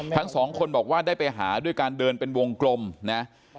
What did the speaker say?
ทั้งสองคนบอกว่าได้ไปหาด้วยการเดินเป็นวงกลมนะ